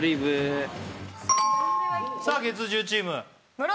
さあ月１０チーム。